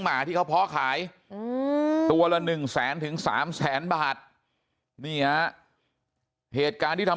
หมาที่เขาเพาะขายตัวละ๑แสนถึง๓แสนบาทนี่ฮะเหตุการณ์ที่ทำ